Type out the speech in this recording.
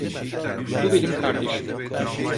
Bu benim kardeşim.